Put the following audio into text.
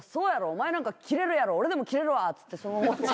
お前なんかキレるやろ俺でもキレるわっつってそのまま。